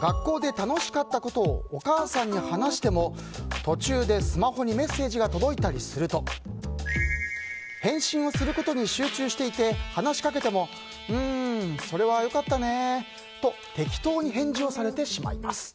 学校で楽しかったことをお母さんに話しても途中でスマホにメッセージが届いたりすると返信をすることに集中していて話しかけてもうーん、それは良かったねーと適当に返事されてしまいます。